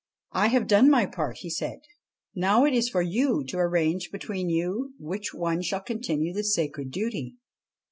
' I have done my part, 1 he said ;' now it is for you to arrange between you which one shall continue the sacred duty.'